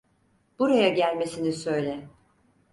Buraya gelmesini söyle.